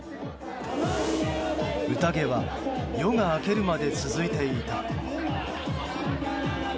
宴は夜が明けるまで続いていた。